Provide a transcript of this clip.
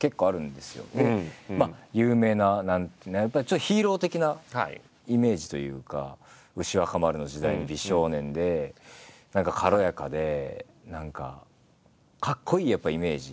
まあ有名なやっぱりちょっとヒーロー的なイメージというか牛若丸の時代の美少年で何か軽やかで何かかっこいいやっぱイメージ。